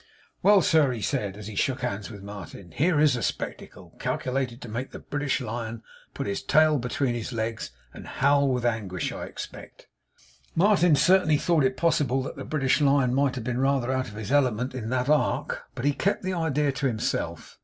'Well, sir!' he said, as he shook hands with Martin, 'here is a spectacle calc'lated to make the British Lion put his tail between his legs, and howl with anguish, I expect!' Martin certainly thought it possible that the British Lion might have been rather out of his element in that Ark; but he kept the idea to himself.